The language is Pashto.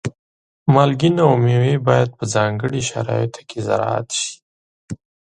مالګین او مېوې باید په ځانګړو شرایطو کې زراعت شي.